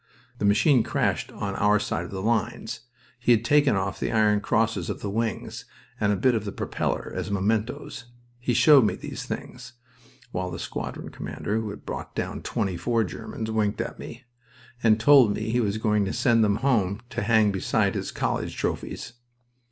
The machine crashed on our side of the lines. He had taken off the iron crosses on the wings, and a bit of the propeller, as mementoes. He showed me these things (while the squadron commander, who had brought down twenty four Germans, winked at me) and told me he was going to send them home to hang beside his college trophies...